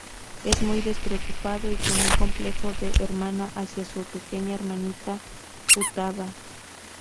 Es muy despreocupado y con un complejo de hermana hacia su pequeña hermanita Futaba.